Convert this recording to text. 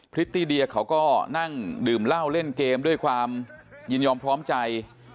พริตตี้เดียเขาก็นั่งดื่มเหล้าเล่นเกมด้วยความยินยอมพร้อมใจ